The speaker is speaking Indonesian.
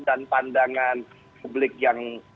dan pandangan publik yang